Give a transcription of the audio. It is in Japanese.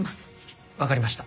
わかりました。